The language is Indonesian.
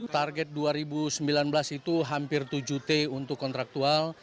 target dua ribu sembilan belas itu hampir tujuh t untuk kontraktual